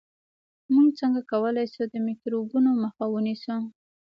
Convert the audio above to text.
موږ څنګه کولای شو د میکروبونو مخه ونیسو